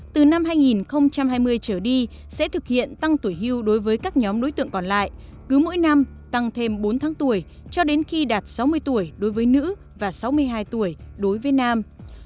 từ năm hai nghìn hai mươi trở đi sẽ thực hiện tăng tuổi hưu đối với các nhóm đối tượng còn lại cứ mỗi năm tăng thêm bốn tháng tuổi cho đến khi đạt sáu mươi tuổi đối với nữ và sáu mươi hai tuổi đối với nam